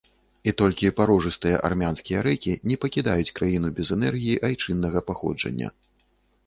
І толькі парожыстыя армянскія рэкі не пакідаюць краіну без энергіі айчыннага паходжання.